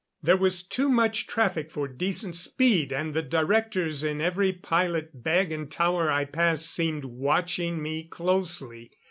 There was too much traffic for decent speed and the directors in every pilot bag and tower I passed seemed watching me closely.